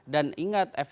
dan ingat efektifnya